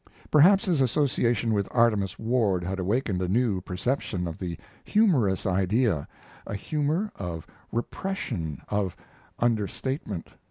Perhaps his association with Artemus Ward had awakened a new perception of the humorous idea a humor of repression, of understatement.